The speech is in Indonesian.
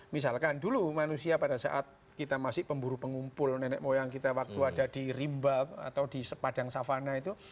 misalkan dulu manusia pada saat kita masih pemburu pengumpul nenek moyang kita waktu ada di rimba atau di padang savana itu